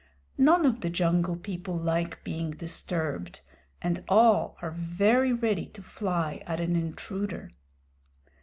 None of the Jungle People like being disturbed, and all are very ready to fly at an intruder.